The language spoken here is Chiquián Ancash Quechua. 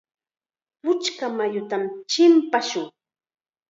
Puchka mayutam chimpashun.